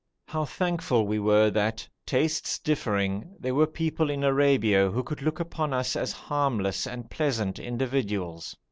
How thankful we were that, tastes differing, there were people in Arabia who could look upon us as harmless and pleasant individuals.